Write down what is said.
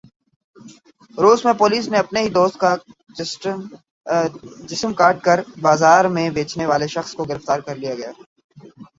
روس میں پولیس نے اپنے ہی دوست کا جسم کاٹ کر بازار میں بیچنے والے شخص کو گرفتار کرلیا گیا ہے